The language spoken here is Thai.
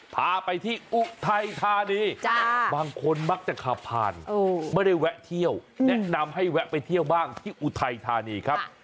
พาไปที่อุทัยธานีบางคนมักจะขับผ่านไม่ได้แวะเที่ยวแนะนำให้แวะไปเที่ยวบ้างที่อุทัยธานีครับ